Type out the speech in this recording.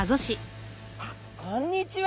あっこんにちは。